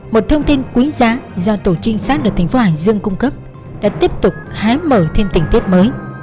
một thông tin quý giá do tổ trinh sát được thành phố hải dương cung cấp đã tiếp tục hái mở thêm tình tiết mới